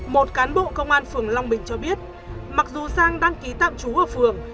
một cán bộ công an phường long bình cho biết mặc dù sang đăng ký tạm trú ở phường